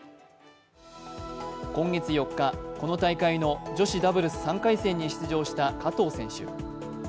今月４日、この大会の女子ダブルス３回戦に出場した加藤選手。